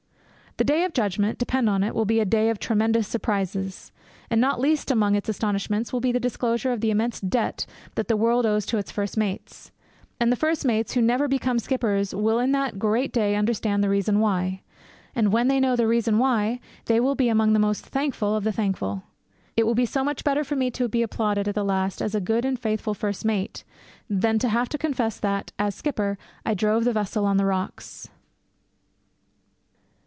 The day of judgement, depend upon it, will be a day of tremendous surprises. And not least among its astonishments will be the disclosure of the immense debt that the world owes to its first mates. And the first mates who never become skippers will in that great day understand the reason why. And when they know the reason why, they will be among the most thankful of the thankful. It will be so much better for me to be applauded at the last as a good and faithful first mate than to have to confess that, as skipper, I drove the vessel on the rocks.